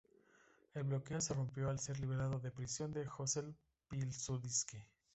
El bloqueo se rompió al ser liberado de prisión el Józef Piłsudski.